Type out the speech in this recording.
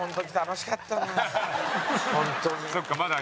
本当に。